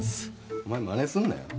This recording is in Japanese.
お前まねすんなよ。